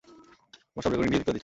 আমার সব recording delete করে দিচ্ছি।